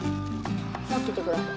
もっててください。